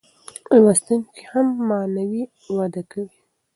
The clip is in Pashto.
لوستونکی هم معنوي وده کوي.